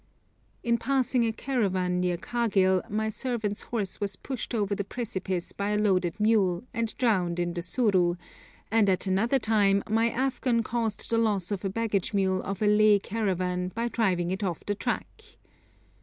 In passing a caravan near Kargil my servant's horse was pushed over the precipice by a loaded mule and drowned in the Suru, and at another time my Afghan caused the loss of a baggage mule of a Leh caravan by driving it off the track.